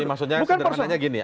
jadi maksudnya sebenarnya gini